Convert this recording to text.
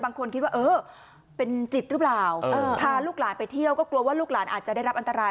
คิดว่าเออเป็นจิตหรือเปล่าพาลูกหลานไปเที่ยวก็กลัวว่าลูกหลานอาจจะได้รับอันตราย